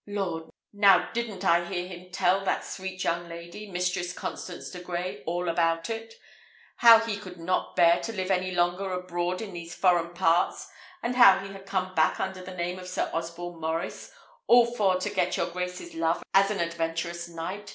Lord! now, didn't I hear him tell that sweet young lady, Mistress Constance de Grey, all about it; how he could not bear to live any longer abroad in these foreign parts, and how he had come back under the name of Sir Osborne Maurice, all for to get your grace's love as an adventurous knight?